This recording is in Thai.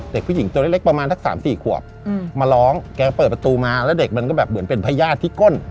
เด็กผู้หญิงตัวเล็กประมาณสักสามสี่ขวบมาร้องแกเปิดประตูมาแล้วเด็กมันก็แบบเหมือนเป็นพญาติที่ก้น